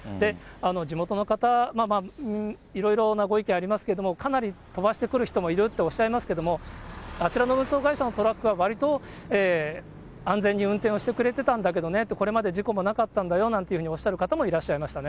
地元の方、いろいろなご意見ありますけれども、かなり飛ばしてくる人もいるということですけれども、あちらの運送会社のトラックは、わりと安全に運転をしてくれてたんだけどねと、これまで事故もなかったんだよなんておっしゃる方もいらっしゃいましたね。